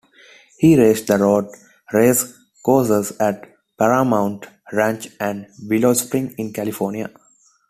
He raced the road race courses at Paramount Ranch and Willow Springs in California.